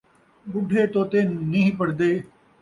ٻُڈھے توتے نہیں پڑھدے